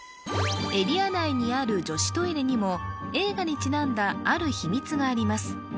エリア内にある女子トイレにも映画にちなんだある秘密があります